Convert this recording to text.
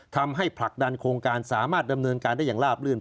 ผลักดันโครงการสามารถดำเนินการได้อย่างลาบลื่น